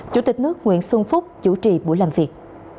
chủ tịch nước nguyễn xuân phúc chủ trì buổi làm việc